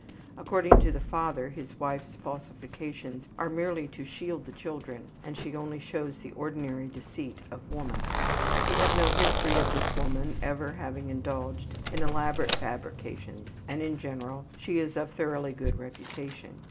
According to the father his wife's falsifications are merely to shield the children and she only shows the ordinary deceit of woman. We have no history of this woman ever having indulged in elaborate fabrications and, in general, she is of thoroughly good reputation.